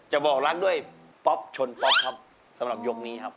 บอกรักด้วยป๊อปชนป๊อปครับสำหรับยกนี้ครับ